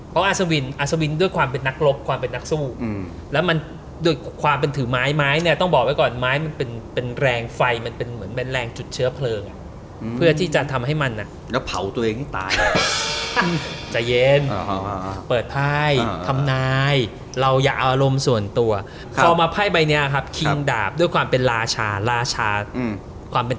เพราะอาสวินอาสวินด้วยความเป็นนักรบความเป็นนักสู้แล้วมันด้วยความเป็นถือไม้ไม้เนี่ยต้องบอกไว้ก่อนไม้มันเป็นแรงไฟมันเป็นเหมือนเป็นแรงจุดเชื้อเพลิงเพื่อที่จะทำให้มันอ่ะแล้วเผาตัวเองให้ตายใจเย็นเปิดไพ่ทำนายเราอย่าเอาอารมณ์ส่วนตัวพอมาไพ่ใบเนี้ยครับคิงดาบด้วยความเป็นราชาลาชาความเป็น